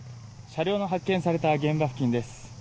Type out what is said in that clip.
車両が発見された現場付近です。